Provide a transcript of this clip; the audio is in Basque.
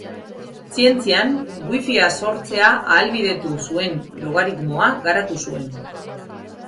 Zientzian, wifia sortzea ahalbidetu zuen logaritmoa garatu zuen.